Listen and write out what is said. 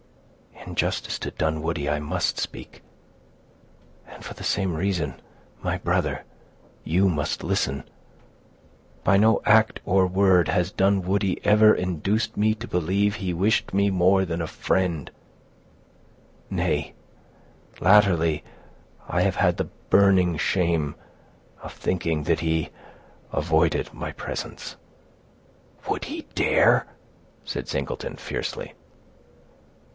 "In justice to Dunwoodie I must speak; and for the same reason, my brother, you must listen. By no act or word has Dunwoodie ever induced me to believe he wished me more than a friend; nay, latterly, I have had the burning shame of thinking that he avoided my presence." "Would he dare?" said Singleton, fiercely.